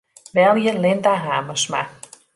Belje Linda Hamersma.